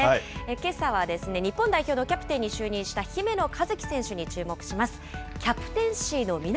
けさは日本代表のキャプテンに就任した姫野和樹選手に注目します。